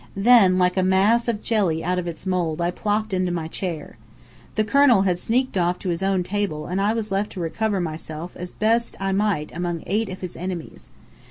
Then like a mass of jelly out of its mould I plopped onto my chair. The colonel had sneaked off to his own table and I was left to recover myself as best I might among eight of his enemies.